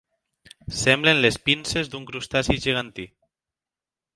Semblen les pinces d'un crustaci gegantí.